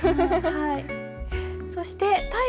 はい。